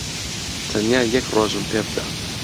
تەنیا یەک ڕۆژم پێ بدە.